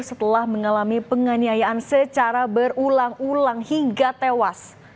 setelah mengalami penganiayaan secara berulang ulang hingga tewas